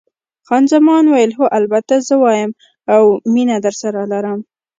خان زمان وویل: هو، البته زه یم، اوه، مینه درسره لرم.